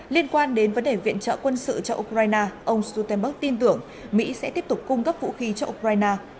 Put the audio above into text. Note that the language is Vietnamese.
liên quan đến vấn đề viện trợ quân sự cho ukraine ông stoltenberg tin tưởng mỹ sẽ tiếp tục cung cấp vũ khí cho ukraine